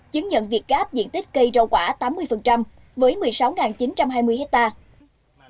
chứng nhận việc gáp diện tích cây rau quả tám mươi với một mươi sáu chín trăm hai mươi hectare